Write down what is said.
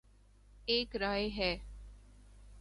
ایک رائے ہے۔